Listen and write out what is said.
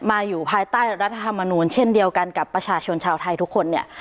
อยู่ภายใต้รัฐธรรมนูลเช่นเดียวกันกับประชาชนชาวไทยทุกคนเนี่ย